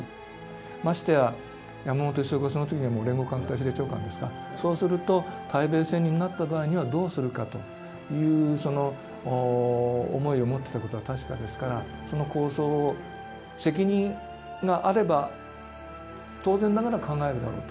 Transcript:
ましてや山本五十六はその時にはもう連合艦隊司令長官ですからそうすると対米戦になった場合にはどうするかという思いを持ってた事は確かですからその構想を責任があれば当然ながら考えるだろうと。